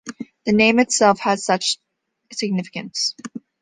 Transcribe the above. The name itself had much significance.